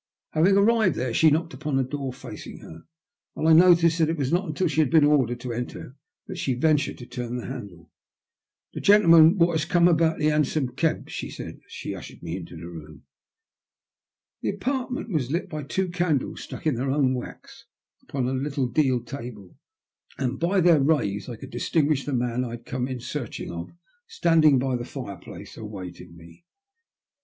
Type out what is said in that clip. Having arrived there, she knocked upon a door facing her; and I noticed that it was not until she had been ordered to enter that she ventured to turn the handle. " The gentleman what has come about the 'ansom keb," she said, as she ushered me into room. The apartment was lit by two candles stuck in their own wax upon a little deal table, and by their rays I could distinguish the man I had come in search of standing by the fireplace awaiting me.